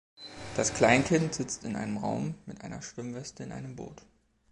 Das Kleinkind sitzt in einem Raum mit einer Schwimmweste in einem Boot.